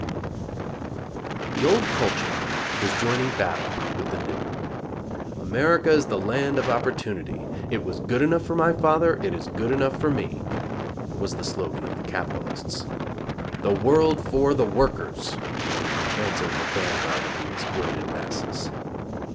W. W. The old culture was joining battle with the new. "America is the land of opportunity. It was good enough for my father: it is good enough for me" was the slogan of the capitalists. "The world for the workers," answered the vanguard of the exploited masses.